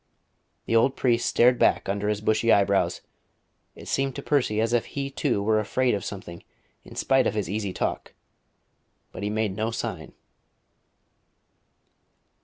The old priest stared back under his bushy eyebrows; it seemed to Percy as if he, too, were afraid of something in spite of his easy talk; but he made no sign.